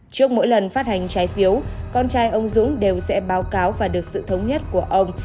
trước mỗi lần phát hành trái phiếu con trai ông dũng đều sẽ báo cáo và được sự thống nhất của ông